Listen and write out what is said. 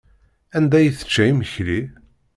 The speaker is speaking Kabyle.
Anda ay tečča imekli?